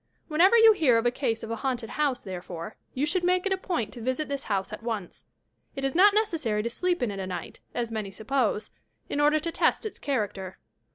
Whenever you hear of a case of a haunted house, therefore, you should make it a point to visit this house at once. It is not necessary to sleep in it a night, as many suppose, in order to test its character.